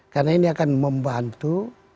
karena ini akan membantu